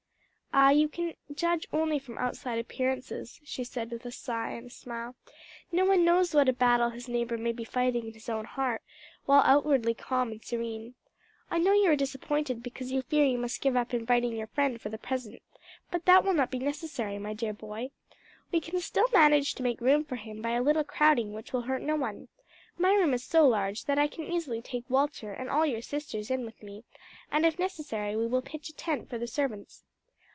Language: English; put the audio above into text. "Ah, you can judge only from outside appearances," she said with a sigh and a smile; "no one knows what a battle his neighbor may be fighting in his own heart, while outwardly calm and serene. I know you are disappointed because you fear you must give up inviting your friend for the present, but that will not be necessary, my dear boy. We can still manage to make room for him by a little crowding which will hurt no one. My room is so large that I can easily take Walter and all your sisters in with me, and if necessary we will pitch a tent for the servants."